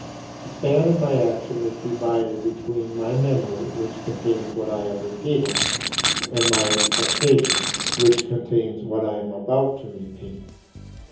The span of my action is divided between my memory, which contains what I have repeated, and my expectation, which contains what I am about to repeat.